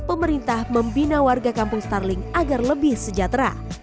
pemerintah membina warga kampung starling agar lebih sejahtera